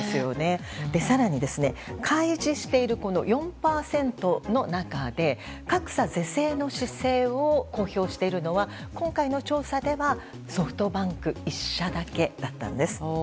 更に、開示している４％の中で格差是正の姿勢を公表しているのは今回の調査ではソフトバンク１社だけだったんです。